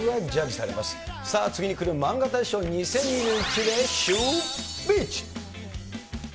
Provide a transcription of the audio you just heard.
さあ、次にくるマンガ大賞２０２１でシューＷｈｉｃｈ？